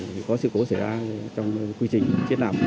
vì có sự cố xảy ra trong quy trình chiến đảm